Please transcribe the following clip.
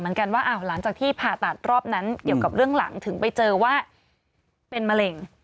เหมือนกันว่าอ้าวหลังจากที่ผ่าตัดรอบนั้นเกี่ยวกับเรื่องหลังถึงไปเจอว่าเป็นมะเร็ง